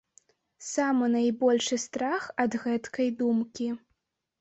Самы найбольшы страх ад гэткай думкі.